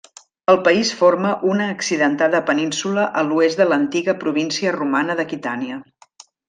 El país forma una accidentada península a l'oest de l'antiga província romana d'Aquitània.